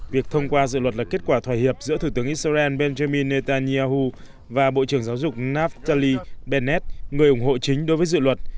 việc thông qua dự luật là kết quả thỏa hiệp giữa thủ tướng israel benjamin netanyahu và bộ trưởng giáo dục navaly benet người ủng hộ chính đối với dự luật